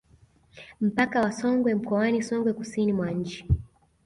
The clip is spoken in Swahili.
Mpaka wa Songwe mkoani Songwe kusini mwa nchi